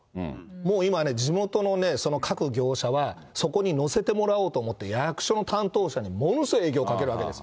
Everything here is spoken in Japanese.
もう今ね、地元の各業者は、そこに載せてもらおうと思って役所の担当者にものすごい営業かけるわけです。